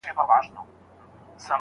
پلار له زوی او زوی له پلار سره جنګیږي